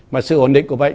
mà sự ổn định của bệnh